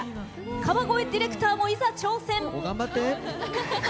川越ディレクターも、いざ挑戦。